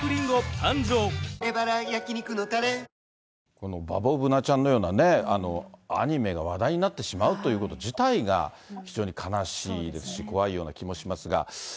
このバボブナちゃんのようなアニメが話題になってしまうということ自体が非常に悲しいですし、怖いような気もしますが。